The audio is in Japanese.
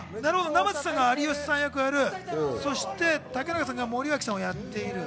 生瀬さんが有吉さん役をやって、竹中さんが森脇さんをやっている。